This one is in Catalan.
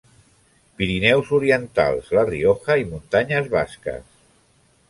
Pirineus orientals, la Rioja i muntanyes basques.